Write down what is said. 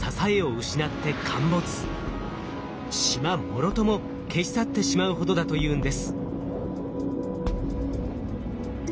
もろとも消し去ってしまうほどだというんです。